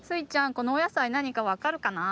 このおやさいなにかわかるかな？